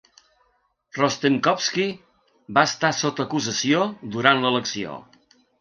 Rostenkowski va estar sota acusació durant l'elecció.